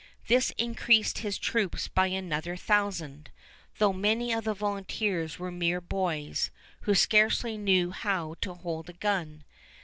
This increased his troops by another thousand, though many of the volunteers were mere boys, who scarcely knew how to hold a gun.